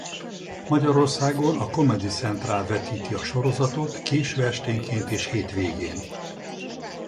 Magyarországon a Comedy Central vetíti a sorozatot késő esténként és hétvégén.